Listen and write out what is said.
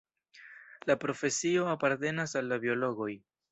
La profesio apartenas al la biologoj.